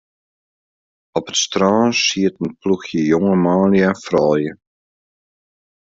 Op it strân siet in ploechje jonge manlju en froulju.